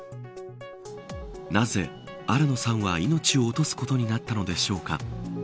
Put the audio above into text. なぜ、新野さんは命を落とすことになったのでしょうか。